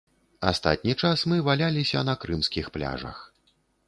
Астатні час мы валяліся на крымскіх пляжах.